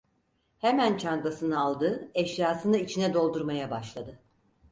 Hemen çantasını aldı, eşyasını içine doldurmaya başladı.